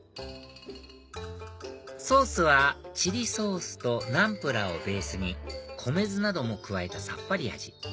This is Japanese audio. ソースはチリソースとナンプラーをベースに米酢なども加えたさっぱり味